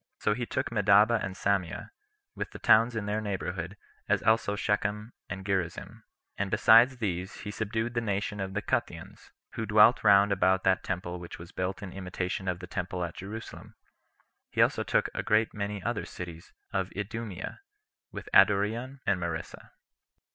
So he took Medaba and Samea, with the towns in their neighborhood, as also Shechem, and Gerizzim; and besides these, [he subdued] the nation of the Cutheans, who dwelt round about that temple which was built in imitation of the temple at Jerusalem; he also took a great many other cities of Idumea, with Adoreon and Marissa.